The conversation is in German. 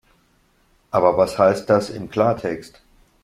Aber was heißt das im Klartext?